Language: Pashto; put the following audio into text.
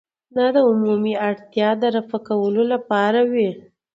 دا د عمومي اړتیا د رفع کولو لپاره وي.